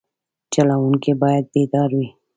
چلوونکی باید بیدار وي.